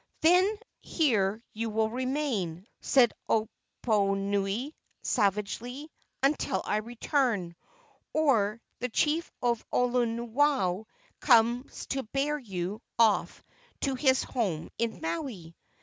"Then here you will remain," said Oponui, savagely, "until I return, or the chief of Olowalu comes to bear you off to his home in Maui!"